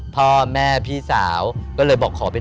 โปรดติดตามต่อไป